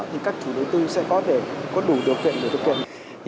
thì các chủ đối tư sẽ có thể có đủ điều kiện để thực hiện